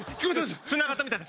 つながったみたいだ。